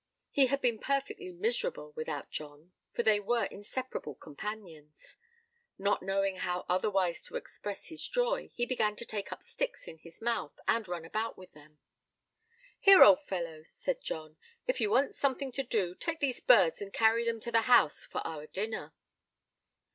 He had been perfectly miserable without John, for they were inseparable companions. Not knowing how otherwise to express his joy, he began to take up sticks in his mouth, and run about with them. "Here, old fellow," said John; "if you want something to do, take these birds and carry them to the house, for our dinner."